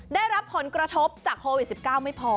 ได้รับผลกระทบจากโควิด๑๙ไม่พอ